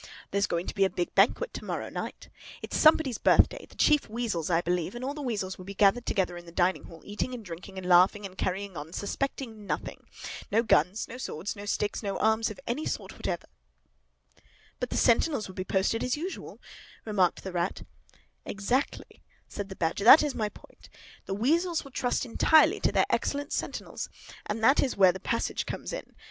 There's going to be a big banquet to morrow night. It's somebody's birthday—the Chief Weasel's, I believe—and all the weasels will be gathered together in the dining hall, eating and drinking and laughing and carrying on, suspecting nothing. No guns, no swords, no sticks, no arms of any sort whatever!" "But the sentinels will be posted as usual," remarked the Rat. "Exactly," said the Badger; "that is my point. The weasels will trust entirely to their excellent sentinels. And that is where the passage comes in.